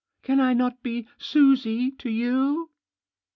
" Can I not be Susie to you